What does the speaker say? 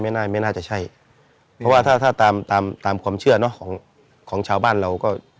อันนั้นไม่น่าจะใช่เพราะว่าถ้าตามความเชื่อของชาวบ้านเราก็